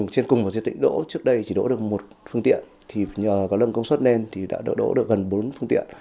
trên cùng và diệt định đỗ trước đây chỉ đỗ được một phương tiện nhờ có lưng công suất lên thì đã đỗ được gần bốn phương tiện